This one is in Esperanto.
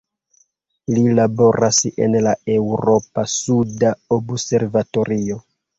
Li laboras en la Eŭropa suda observatorio.